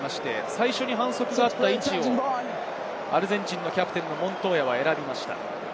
最初に反則があった位置をアルゼンチンのキャプテン、モントーヤが選びました。